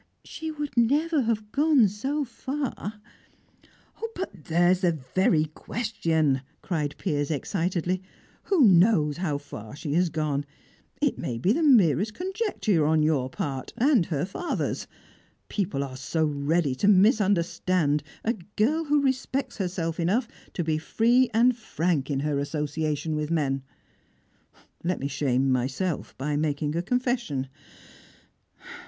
She would never have gone so far " "But there's the very question!" cried Piers excitedly. "Who knows how far she has gone? It may be the merest conjecture on your part, and her father's. People are so ready to misunderstand a girl who respects herself enough to be free and frank in her association with men. Let me shame myself by making a confession.